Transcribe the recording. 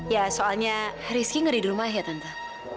ya soalnya rizky nggak ada di rumah ya tante